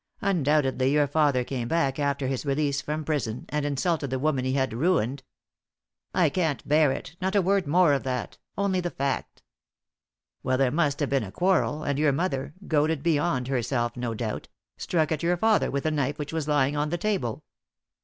Undoubtedly your father came back after his release from prison, and insulted the woman he had ruined " "I can't bear it not a word more of that. Only the fact." "Well, there must have been a quarrel, and your mother goaded beyond herself, no doubt struck at your father with the knife which was lying on the table."